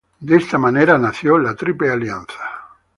De esta manera nació la Triple Alianza.